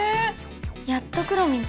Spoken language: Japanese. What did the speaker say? やっとくろミン